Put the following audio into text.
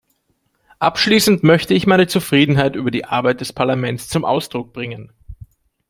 Abschließend möchte ich meine Zufriedenheit über die Arbeit des Parlaments zum Ausdruck bringen.